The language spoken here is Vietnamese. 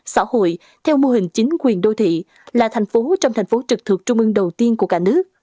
xã hội theo mô hình chính quyền đô thị là thành phố trong thành phố trực thuộc trung ương đầu tiên của cả nước